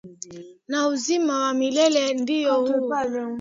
Na uzima wa milele ndio huu